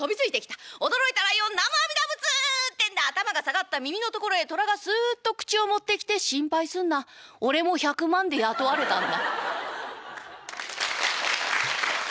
驚いたライオン「南無阿弥陀仏」ってんで頭が下がった耳の所へトラがスッと口を持ってきて「心配すんな俺も１００万で雇われたんだ」。